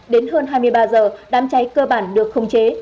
đến hơn hai mươi ba h đám cháy cơ bản được khống chế